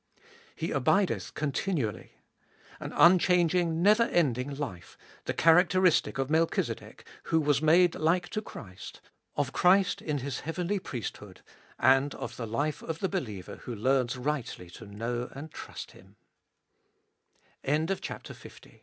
3. He abideth continually: an unchanging, never ending life, the characteristic of Melchize dek, who was made lihe to Christ, of Christ in His heavenly priesthood, and of the life of the hcliever who learns rightly to hnow and trust